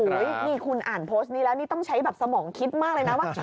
นี่คุณอ่านโพสต์นี้แล้วนี่ต้องใช้แบบสมองคิดมากเลยนะว่า